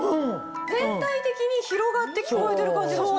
全体的に広がって聞こえてる感じがします。